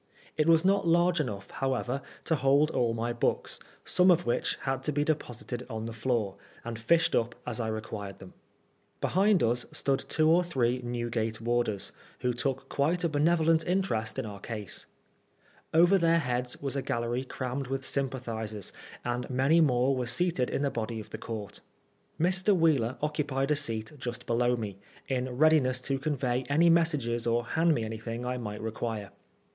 It was not large enough, however, to hold all my books, some of which had to be deposited on the floor, and fished np as I required them. Behind us stood two or three Newgate warders, who took quite a benevolent interest in our case. Over their heads was a gallery crammed with sympathisers, and many more were seated in the body of the court. Mr. Wheeler occupied a seat just below me, in readiness to convey any messages or hand me anything I might require.